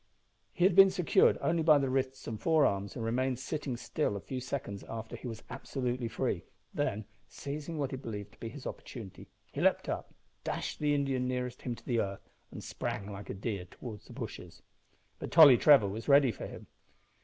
He had been secured only by the wrists and forearms, and remained sitting still a few seconds after he was absolutely free; then, seizing what he believed to be his opportunity, he leapt up, dashed the Indian nearest him to the earth, and sprang like a deer towards the bushes. But Tolly Trevor was ready for him.